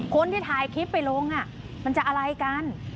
คนที่ถ่ายคลิปไปลงมันจะอะไรกัน